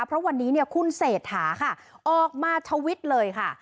เพราะวันนี้คุณเศษฐาค่ะออกมาทวิทช์เลยค่ะ